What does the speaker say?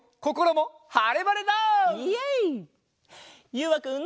ゆうわくん。